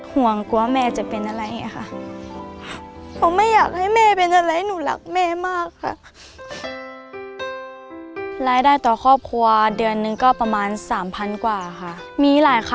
ห่วงก็ว่าแม่จะเป็นอะไรอะค่ะ